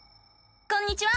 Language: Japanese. こんにちは！